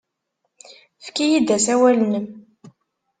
Efk-iyi-d asawal-nnem.